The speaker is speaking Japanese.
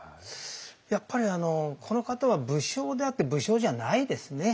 やっぱりこの方は武将であって武将じゃないですね。